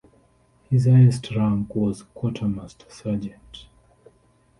His highest rank was Quartermaster Sergeant.